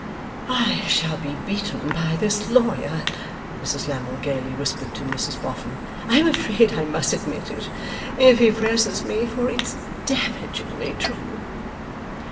['I shall be beaten by this Lawyer,' Mrs Lammle gaily whispered to Mrs Boffin. 'I am afraid I must admit it, if he presses me, for it's damagingly true.